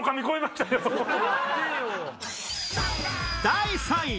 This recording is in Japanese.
第３位！